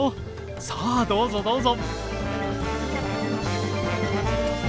さあどうぞどうぞ。